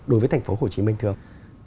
đối với thành phố hồ chí minh thưa ông